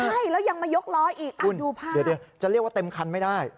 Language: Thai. ใช่แล้วยังมายกล้ออีกดูภาพเดี๋ยวจะเรียกว่าเต็มคันไม่ได้